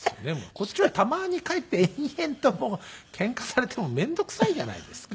こっちはたまに帰って延々とケンカされても面倒くさいじゃないですか。